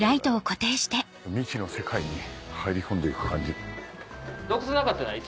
未知の世界に入り込んでいく感じ。